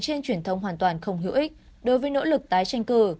trên truyền thông hoàn toàn không hữu ích đối với nỗ lực tái tranh cử